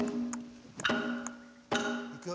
いくよ。